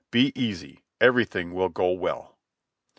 Be easy, everything will go well."